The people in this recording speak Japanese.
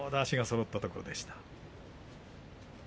足がそろったところでした。